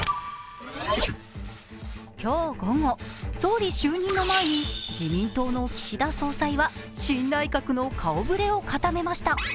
今日午後、総理就任を前に自民党の岸田総裁は新内閣の顔ぶれを固めました。